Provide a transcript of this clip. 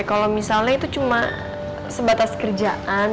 kalau misalnya itu cuma sebatas kerjaan